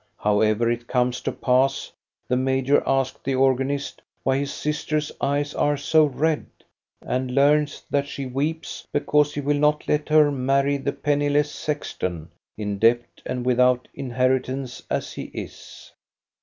However it comes to pass, the major asks the organist why his sister's eyes are so red, and learns that she weeps because he will not let her marry the penniless sexton, in debt and without inheritance as he is.